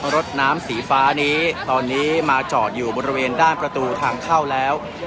รถน้ำสีฟ้านี้ตอนนี้มาจอดอยู่บริเวณด้านประตูทางเข้าแล้ว